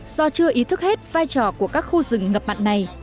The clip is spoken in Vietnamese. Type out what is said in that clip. do chưa ý thức hết vai trò của các khu rừng ngập mặn này